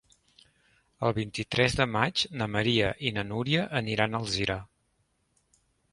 El vint-i-tres de maig na Maria i na Núria aniran a Alzira.